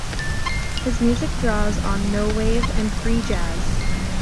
His music draws on no wave and free jazz.